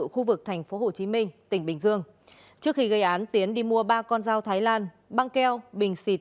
khu vực tp hcm tỉnh bình dương trước khi gây án tiến đi mua ba con dao thái lan băng keo bình xịt